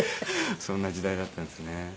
そんな時代だったんですね。